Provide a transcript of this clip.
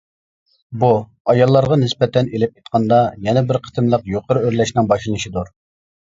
بۇ، ئاياللارغا نىسبەتەن ئېلىپ ئېيتقاندا، يەنە بىر قېتىملىق يۇقىرى ئۆرلەشنىڭ باشلىنىشىدۇر.